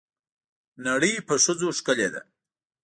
نړۍ په ښځو ښکلې ده.